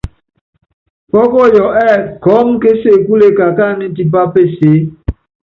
Pɔ́kɔyɔ ɛ́ɛ́ kɔɔ́m késekule kakáanɛ́ tipá peseé.